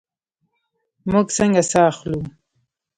موږ څنګه ساه اخلو؟